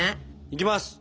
いきます！